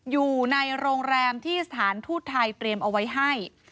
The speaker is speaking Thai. อยู่ในโรงแรมที่สถานทูตไทยเตรียมเอาไว้ให้